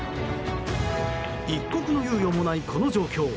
一刻の猶予もない、この状況。